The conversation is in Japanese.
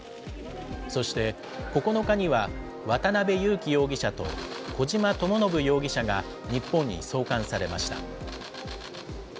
そして９日には、渡邉優樹容疑者と小島智信容疑者が日本に送還されました。